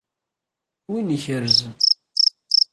Win ikerzen.